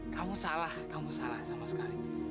kamu salah kamu salah sama sekali